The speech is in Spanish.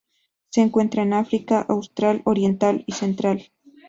Se encuentran en África austral, oriental y central.